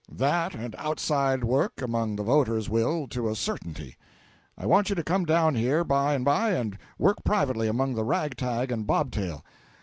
"That and outside work among the voters will, to a certainty. I want you to come down here by and by and work privately among the rag tag and bobtail.